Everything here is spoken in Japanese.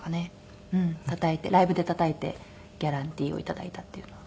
たたいてライブでたたいてギャランティーをいただいたっていうのは。